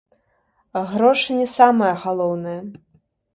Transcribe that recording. Грошы не самае галоўнае.